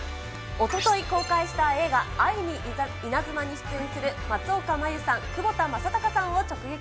おととい公開した映画、愛にイナズマに出演する松岡茉優さん、窪田正孝さんを直撃。